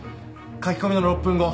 書き込みの６分後港